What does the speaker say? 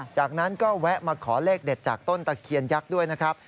จากนั้นก็แวะมาขอเลขเด็ดจากต้นตะเคียนยักษ์ด้วยนะครับ